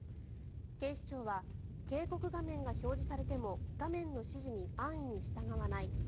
警視庁は警告画面が表示されても画面の指示に安易に従わない。